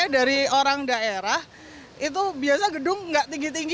dari orang daerah itu biasa gedung nggak tinggi tinggi